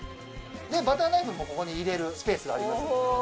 でバターナイフもここに入れるスペースがありますので。